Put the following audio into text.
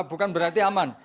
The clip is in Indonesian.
bukan berarti aman